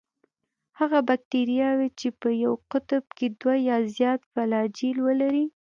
هغه باکتریاوې چې په یو قطب کې دوه یا زیات فلاجیل ولري.